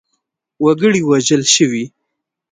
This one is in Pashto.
وګړي وژل شوي.